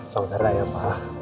sok kera ya ma